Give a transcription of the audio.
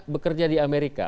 bekerja di amerika